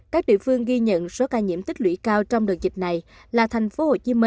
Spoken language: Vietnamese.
các địa phương ghi nhận số ca nhiễm tích lũy cao trong đợt dịch này là tp hcm năm trăm năm mươi ba bốn mươi